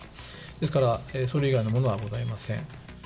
ですから、それ以外のものはございません。